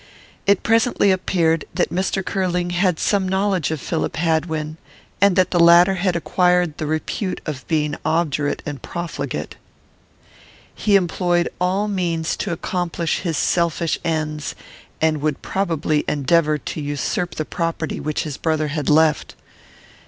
It presently appeared that Mr. Curling had some knowledge of Philip Hadwin, and that the latter had acquired the repute of being obdurate and profligate. He employed all means to accomplish his selfish ends, and would probably endeavour to usurp the property which his brother had left.